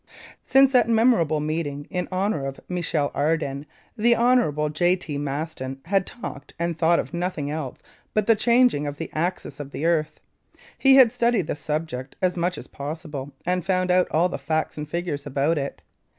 Since that memorable meeting in honor of Michel Ardan, the Hon. J.T. Maston had talked and thought of nothing else but the "changing of the axis of the earth." He had studied the subject as much as possible and found out all the facts and figures about it.